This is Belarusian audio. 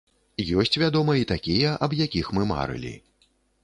Ёсць вядома і такія, аб якіх мы марылі.